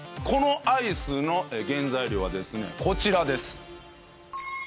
このアイスの原材料はですねこちらです。